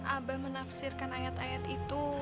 abah menafsirkan ayat ayat itu